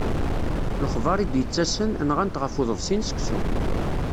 Lexbar i d-yettasen, nɣan-t ɣef uḍebsi n seksu.